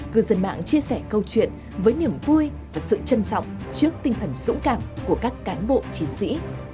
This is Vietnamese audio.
cư dân mạng chia sẻ câu chuyện với niềm vui và sự trân trọng trước tinh thần dũng cảm của các cán bộ chiến sĩ